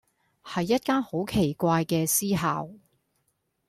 係一間好奇怪嘅私校⠀